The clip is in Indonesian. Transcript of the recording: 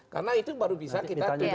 karena itu baru bisa kita